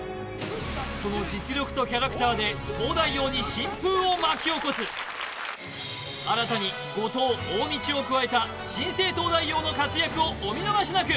その実力とキャラクターで「東大王」に新風を巻き起こす新たに後藤大道を加えた新生東大王の活躍をお見逃しなく